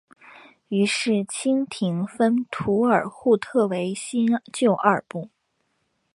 于是清廷分土尔扈特为新旧二部。